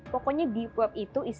pokoknya deep web itu isinya data pribadi